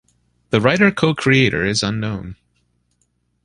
The writer co-creator is unknown.